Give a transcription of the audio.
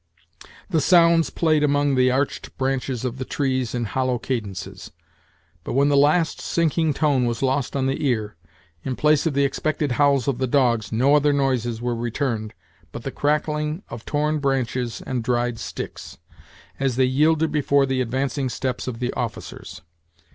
The sounds played among the arched branches of the trees in hollow cadences; but when the last sinking tone was lost on the ear, in place of the expected howls of the dogs, no other noises were returned but the crackling of torn branches and dried sticks, as they yielded before the advancing steps of the officers.